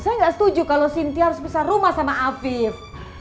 saya nggak setuju kalau sintia harus besar rumah sama afif